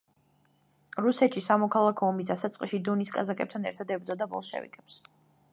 რუსეთში სამოქალაქო ომის დასაწყისში დონის კაზაკებთან ერთად ებრძოდა ბოლშევიკებს.